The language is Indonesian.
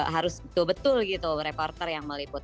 harus betul betul gitu reporter yang meliput